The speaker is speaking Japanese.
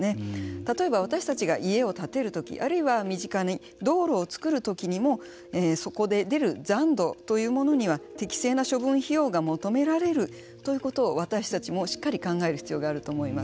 例えば、私たちが家を建てるときあるいは、身近に道路を造るときにもそこで出る残土というものには適正な処分費用が求められるということを私たちもしっかり考える必要があると思います。